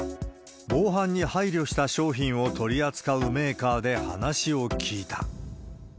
防犯に配慮した商品を取り扱うメーカーで話を聞いた。